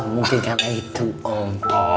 mungkin karena itu om